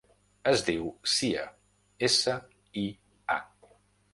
Es diu Sia: essa, i, a.